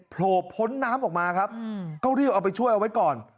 โผล่พ้นน้ำออกมาครับก็รีบเอาไปช่วยเอาไว้ก่อน